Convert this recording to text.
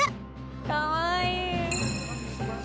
かわいい！